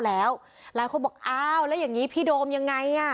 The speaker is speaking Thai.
แล้วนายขอบอกอ้าวพี่โดมยังไง